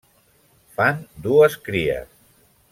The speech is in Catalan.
Fan dues cries.